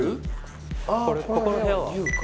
ここの部屋は？